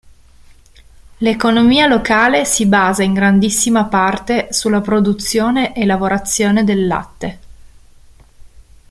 L'economia locale si basa in grandissima parte sulla produzione e lavorazione del latte.